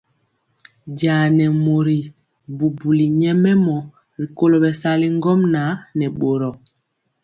Jaa nɛ mori bubuli nyɛmemɔ rikolo bɛsali ŋgomnaŋ nɛ boro.